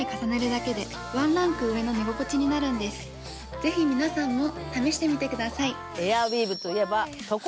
ぜひ皆さんも試してみてください。